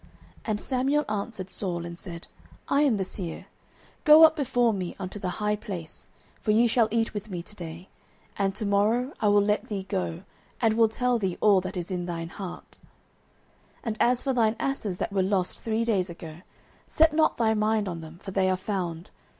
09:009:019 And Samuel answered Saul, and said, I am the seer: go up before me unto the high place; for ye shall eat with me to day, and to morrow I will let thee go, and will tell thee all that is in thine heart. 09:009:020 And as for thine asses that were lost three days ago, set not thy mind on them; for they are found.